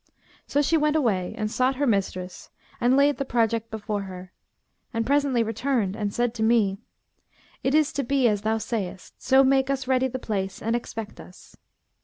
So she went away and sought her mistress and laid the project before her, and presently returned and said to me, 'It is to be as thou sayest: so make us ready the place and expect us.'